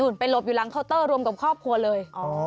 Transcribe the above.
ไปหลบอยู่หลังเคาน์เตอร์รวมกับครอบครัวเลย